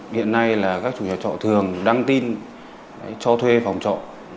hiện nay là các chủ nhà trọ thường đăng tin cho thuê phòng trọ